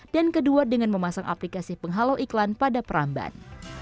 dan kedua dengan memasang aplikasi penghalau iklan pada peramban